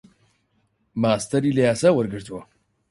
ماستەری لە یاسا وەرگرتووە.